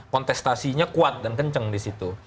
kontestasinya kuat dan kencang disitu